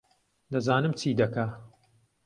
دەزانم چی دەکا